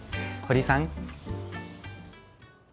堀井さん。